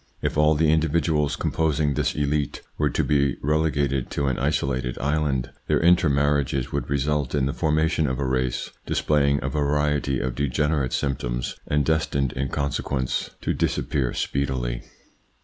If all the individuals com posing this elite were to be relegated to an isolated island, their inter marriages would result in the formation of a race displaying a variety of degene rate symptoms and destined in consequence to dis 46 THE PSYCHOLOGY OF PEOPLES: appear speedily.